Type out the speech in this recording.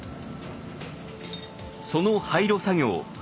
その廃炉作業